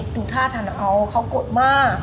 ดูท่าทันเขากลัวมาก